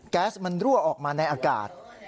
แก๊สมันรั่วออกมาในอากาศ